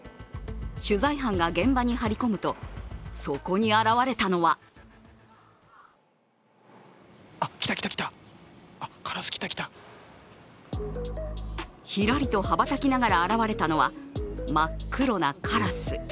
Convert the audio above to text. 取材班が現場に張り込むと、そこに現れたのはひらりと羽ばたきながら現れたのは真っ黒なカラス。